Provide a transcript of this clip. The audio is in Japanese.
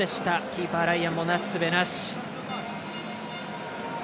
キーパー、ライアンもなすすべなし。